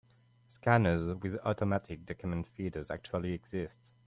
Scanners with automatic document feeders actually exist.